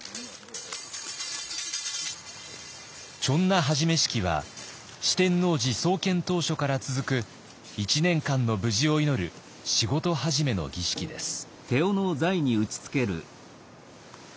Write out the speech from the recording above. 手斧始め式は四天王寺創建当初から続く１年間の無事を祈る仕事始めの儀式です。